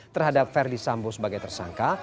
terhadap verdi sambo sebagai tersangka